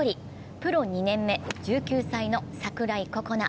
プロ２年目、１９歳の櫻井心那。